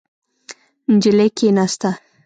نجلۍ کېناسته.